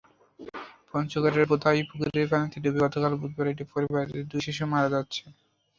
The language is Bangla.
পঞ্চগড়ের বোদায় পুকুরের পানিতে ডুবে গতকাল বুধবার একই পরিবারের দুই শিশু মারা গেছে।